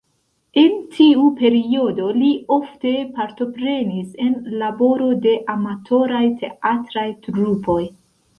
En tiu periodo li ofte partoprenis en laboro de amatoraj teatraj trupoj.